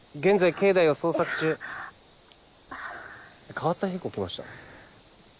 変わった屁こきました？